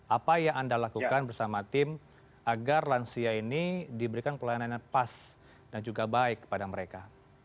apa yang anda lakukan bersama tim agar lansia ini diberikan pelayanan yang pas dan juga baik kepada mereka